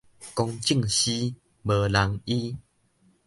公眾私，無人醫